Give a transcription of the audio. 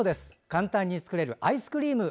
簡単に作れるアイスクリーム。